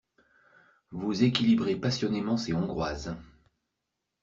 Vous équilibrez passionnément ces hongroises.